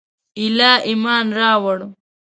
ایله ایمان راووړ.